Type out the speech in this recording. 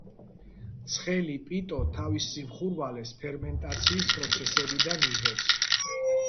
ცხელი პიტო თავის სიმხურვალეს ფერმენტაციის პროცესებიდან იღებს.